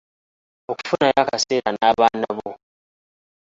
Okufunayo akaseera n’abaanabo.